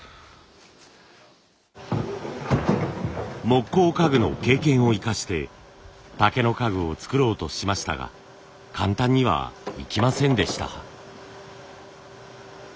木工家具の経験を生かして竹の家具を作ろうとしましたが簡単にはいきませんでした。